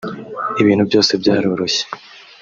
ibintu byose byaroroshye